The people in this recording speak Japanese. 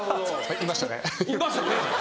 言いましたね。